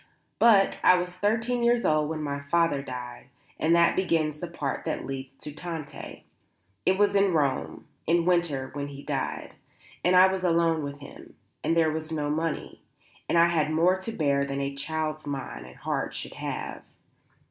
But I was thirteen years old when my father died, and that begins the part that leads to Tante. It was in Rome, in winter when he died; and I was alone with him; and there was no money, and I had more to bear than a child's mind and heart should have.